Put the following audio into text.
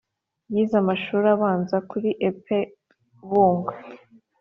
yize amashuri abanza kuri e.p bungwe.